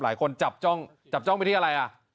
หลายคนจับจ้องจับจ้องไปที่อะไรอ่ะ